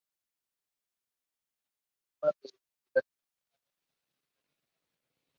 Sin esas pruebas, la identificación de una raza específica no es confiable.